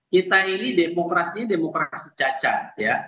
kita ini demokrasi ini demokrasi cacat ya